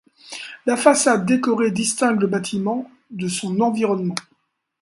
La façade décorée distingue le bâtiment de son environnement.